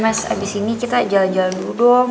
mas abis ini kita jalan jalan dulu dong